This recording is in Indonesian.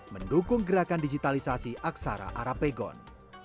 mendukung gerakan digitalisasi aksara arab pegon